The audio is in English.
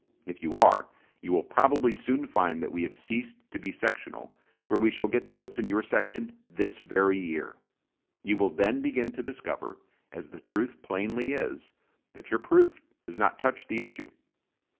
If you are, you will probably soon find that we have ceased to be sectional, for we shall get votes in your section this very year. You will then begin to discover, as the truth plainly is, that your proof does not touch the issue.